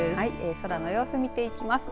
空の様子を見ていきます。